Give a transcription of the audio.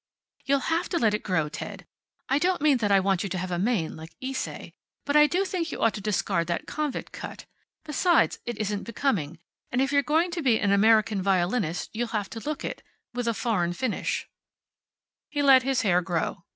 "You'll have to let it grow, Ted. I don't mean that I want you to have a mane, like Ysaye. But I do think you ought to discard that convict cut. Besides, it isn't becoming. And if you're going to be an American violinist you'll have to look it with a foreign finish." He let his hair grow.